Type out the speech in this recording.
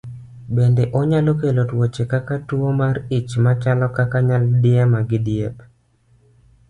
Bende onyalo kelo tuoche kaka tuwo mar ich machalo kaka nyaldiema gi diep.